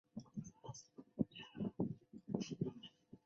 手稻车站的直辖范围。